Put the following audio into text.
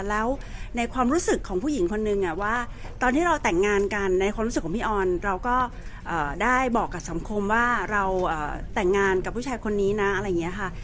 แล้วในความรู้สึกของผู้หญิงคนนึงว่าตอนที่เราแต่งงานกันในความรู้สึกของพี่ออนเราก็ได้บอกกับสังคมว่าเราแต่งงานกับผู้ชายคนนี้นะอะไรอย่างนี้ค่ะ